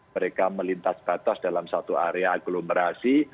mereka melintas batas dalam satu area agglomerasi